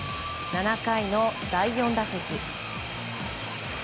７回の第４打席。